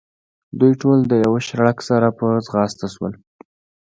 دوی ټول د یوه شړک سره په ځغاسته شول.